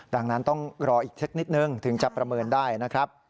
ดังนั้นต้องรออีกเทคนิดนึงถึงจะประเมินได้นะครับ